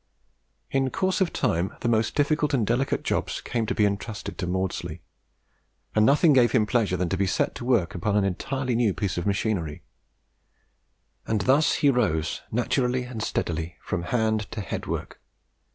In course of time, the most difficult and delicate jobs came to be entrusted to Maudslay; and nothing gave him greater pleasure than to be set to work upon an entirely new piece of machinery. And thus he rose, naturally and steadily, from hand to head work.